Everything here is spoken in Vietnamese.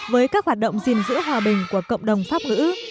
với các hoạt động gìn giữ hòa bình của cộng đồng pháp ngữ